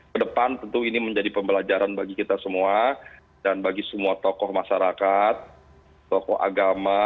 kedepan tentu ini menjadi pembelajaran bagi kita semua dan bagi semua tokoh masyarakat tokoh agama